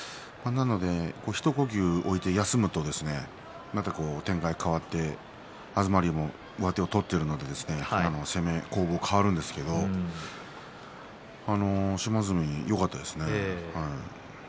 一呼吸置いて休むと展開が変わって東龍も上手を取っているので攻防が変わるんですけど島津海、よかったですね。